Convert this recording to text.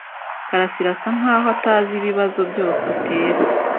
karasira asa nkaho atazi ibibazo byose atera.